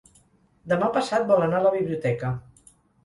Demà passat vol anar a la biblioteca.